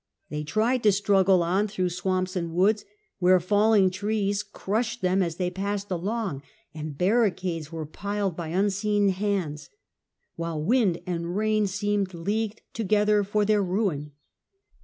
They tried to struggle on through swamps and woods, where falling trees crushed them as they passed along, and barricades were piled b / unseen hands, while wind and rain seemed leagued together foi their min.